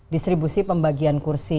distribusi pembagian kursi